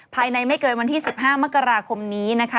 ไม่เกินวันที่๑๕มกราคมนี้นะคะ